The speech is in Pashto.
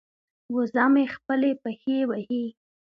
وزه مې خپلې پښې وهي.